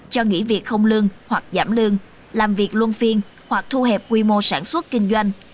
cho nghỉ việc không lương hoặc giảm lương làm việc luân phiên hoặc thu hẹp quy mô sản xuất kinh doanh